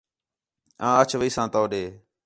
آں اَچ ویساں تو ݙے